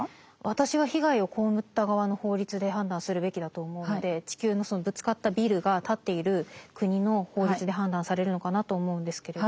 私は被害を被った側の法律で判断するべきだと思うので地球のそのぶつかったビルが建っている国の法律で判断されるのかなと思うんですけれど。